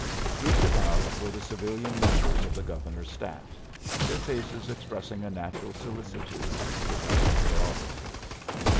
Grouped about were the civilian members of the Governor's staff, their faces expressing a natural solicitude regarding their offices.